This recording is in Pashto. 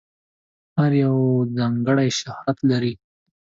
هر یو ځانګړی شهرت لري.